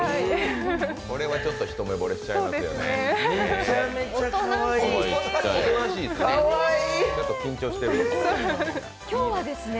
これはちょっと一目ぼれしちゃいますね。